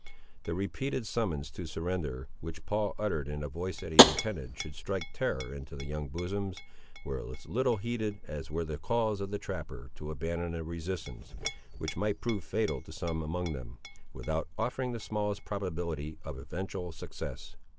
The repeated summons to surrender, which Paul uttered in a voice that he intended should strike terror in their young bosoms, were as little heeded as were the calls of the trapper to abandon a resistance, which might prove fatal to some among them, without offering the smallest probability of eventual success.